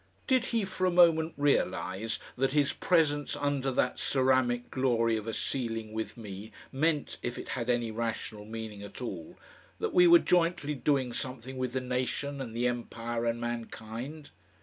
Did he for a moment realise that his presence under that ceramic glory of a ceiling with me meant, if it had any rational meaning at all, that we were jointly doing something with the nation and the empire and mankind?...